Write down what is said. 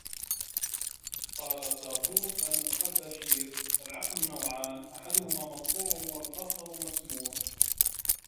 وَقَالَ سَابُورُ بْنُ أَرْدَشِيرَ الْعَقْلُ نَوْعَانِ أَحَدُهُمَا مَطْبُوعٌ ، وَالْآخَرُ مَسْمُوعٌ